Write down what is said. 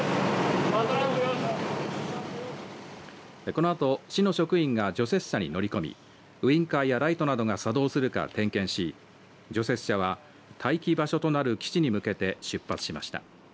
このあと、市の職員が除雪車に乗り込みウインカーやライトなどが作動するか点検し除雪車は待機場所となる基地に向けて出発しました。